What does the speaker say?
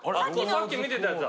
さっき見てたやつだ。